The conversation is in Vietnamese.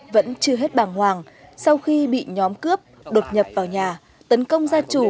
vẫn chưa hết bàng hoàng sau khi bị nhóm cướp đột nhập vào nhà tấn công gia chủ